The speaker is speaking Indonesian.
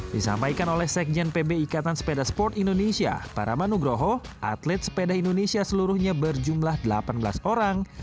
disampaikan oleh sekjen pb ikatan sepeda sport indonesia para manugroho atlet sepeda indonesia seluruhnya berjumlah delapan belas orang